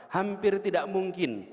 hampir tidak mungkin